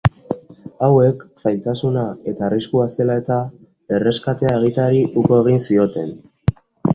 Hauek, zailtasuna eta arriskua zela-eta erreskatea egiteari uko egin zioten.